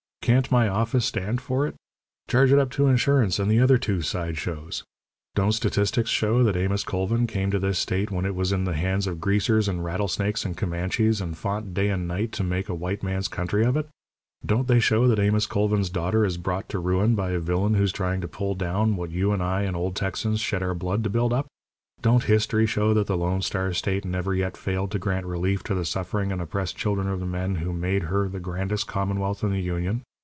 Can't my office stand for it? Charge it up to Insurance and the other two sideshows. Don't Statistics show that Amos Colvin came to this state when it was in the hands of Greasers and rattlesnakes and Comanches, and fought day and night to make a white man's country of it? Don't they show that Amos Colvin's daughter is brought to ruin by a villain who's trying to pull down what you and I and old Texans shed our blood to build up? Don't History show that the Lone Star State never yet failed to grant relief to the suffering and oppressed children of the men who made her the grandest commonwealth in the Union?